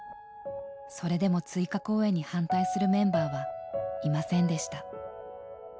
それでも追加公演に反対するメンバーはいませんでした。